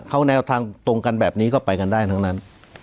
เขาแนวทางตรงกันแบบนี้ก็ไปกันได้ทั้งนั้น